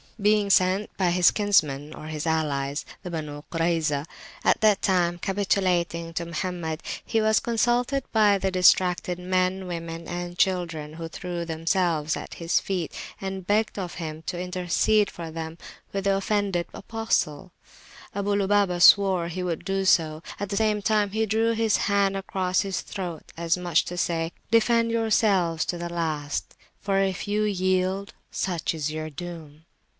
Being sent for by his kinsmen or his allies, the Benu Kurayzah, at that time capitulating to Mohammed, he was consulted by the distracted men, women, and children, who threw themselves at his feet, and begged of him to intercede for them with the offended Apostle. Abu Lubabah swore he would do so: at the same time, he drew his hand across his throat, as much as to say, "Defend yourselves to the last, for if you yield, such is your doom."